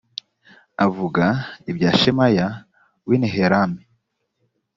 avuga ibya shemaya w i nehelami